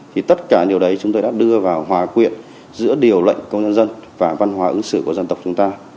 thì tất cả điều đấy chúng tôi đã đưa vào hòa quyện giữa điều lệnh công nhân dân và văn hóa ứng xử của dân tộc chúng ta